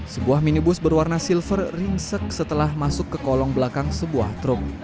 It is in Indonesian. sebuah minibus berwarna silver ringsek setelah masuk ke kolong belakang sebuah truk